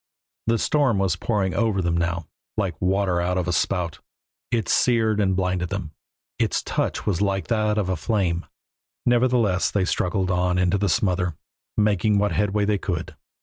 The storm was pouring over them now, like water out of a spout; it seared and blinded them; its touch was like that of a flame. Nevertheless they struggled on into the smother, making what headway they could.